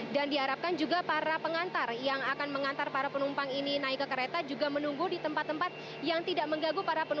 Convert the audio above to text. dan diharapkan juga para pengantar yang akan mengantar para penumpang ini naik ke kereta juga menunggu di tempat tempat yang tidak menggaguh para penumpang ini